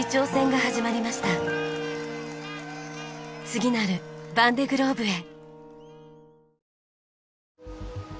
次なるヴァンデ・グローブへ！